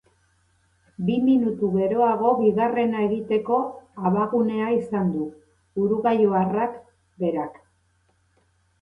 Bi minutu geroago, bigarrena egiteko abagunea izan du uruguaiarrak berak.